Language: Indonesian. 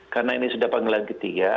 karena ini sudah panggilan ketiga